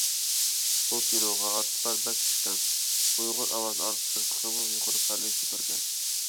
بۇ كىنوغا ئارتىسلار بەك چۈشكەن، ئۇيغۇر ئاۋاز ئارتىسلىرى تېخىمۇ يۇقىرى پەللىگە كۆتۈرگەن.